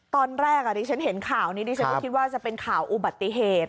ตอนแรกดิฉันเห็นข่าวนี้ดิฉันก็คิดว่าจะเป็นข่าวอุบัติเหตุ